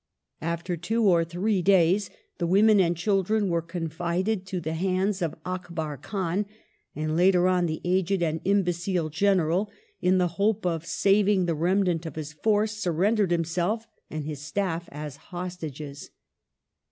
After two or three days the women and children were confided to the hands of Akbar Khan, and, later on, the aged and imbecile General, in the hope of saving the remnant of his force, surrendered himself and his staff as hostages.